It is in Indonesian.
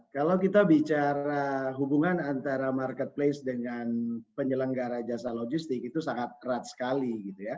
kalau kita bicara hubungan antara marketplace dengan penyelenggara jasa logistik itu sangat erat sekali